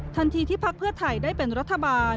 ทันทีที่พรรคเพื่อไถได้เป็นรัฐบาล